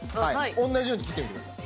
同じように切ってみてください。